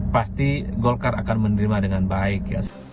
pasti golkar akan menerima dengan baik